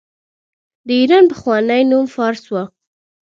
د ایران پخوانی نوم فارس و.